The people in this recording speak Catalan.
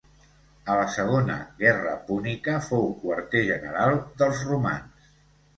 A la segona guerra púnica fou quarter general dels romans.